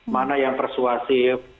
mana yang persuasif